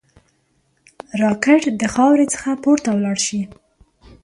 راکټ د خاورې څخه پورته ولاړ شي